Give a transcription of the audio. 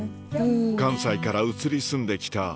関西から移り住んできた筒井さん